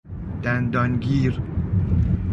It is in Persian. دندان گیر